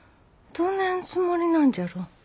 どねんつもりなんじゃろう。